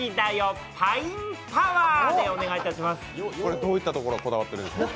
どういったところがこだわってるんでしょうか？